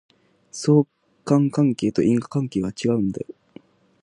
相関関係と因果関係は違うんだよ